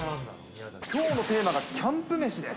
きょうのテーマがキャンプ飯です。